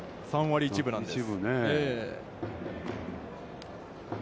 ３割１分なんです。